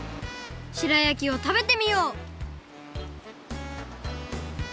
白焼きをたべてみよう！